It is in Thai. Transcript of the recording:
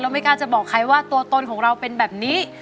ไม่กล้าจะบอกใครว่าตัวตนของเราเป็นแบบนี้